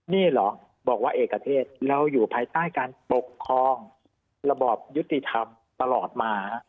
นี่เหรอบอกว่าเอกเทศเราอยู่ภายใต้การปกครองระบอบยุติธรรมตลอดมา